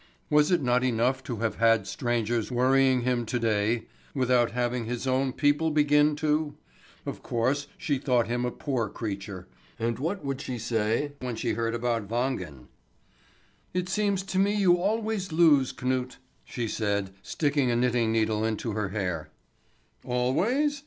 Was it not enough to have had strangers worrying him to day, without having his own people begin too? Of course she thought him a poor creature; and what would she say when she heard about Wangen? "It seems to me you always lose, Knut," she said, sticking a knitting needle into her hair. "Always?